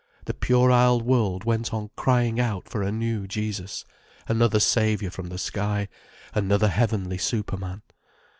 The puerile world went on crying out for a new Jesus, another Saviour from the sky, another heavenly superman.